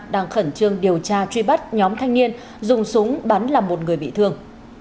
đang khẩn trương điều tra truy bắt nhóm thanh niên dùng súng bắn làm một người bị thương